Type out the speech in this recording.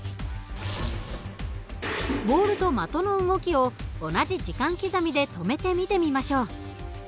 ボールと的の動きを同じ時間刻みで止めて見てみましょう。